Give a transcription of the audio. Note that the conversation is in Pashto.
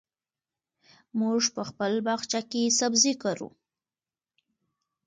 موږ په خپل باغچه کې سبزي کرو.